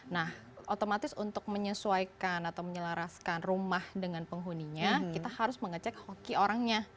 nah otomatis untuk menyesuaikan atau menyelaraskan rumah dengan penghuninya kita harus mengecek hoki orangnya